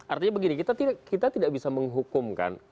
artinya begini kita tidak bisa menghukum kan